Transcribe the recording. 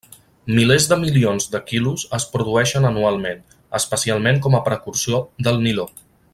Milers de milions de quilos es produeixen anualment, especialment com a precursor del niló.